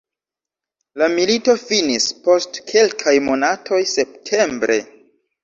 La milito finis post kelkaj monatoj septembre.